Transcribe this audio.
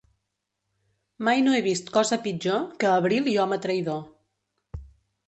Mai no he vist cosa pitjor que abril i home traïdor.